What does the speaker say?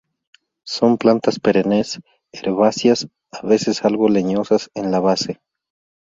Son plantas perennes herbáceas, a veces algo leñosas en la base.